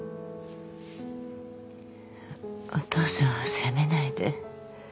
お父さんを責めないで。